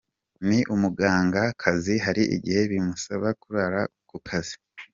Ni umuganga kazi hari igihe bimusaba kurara ku kazi.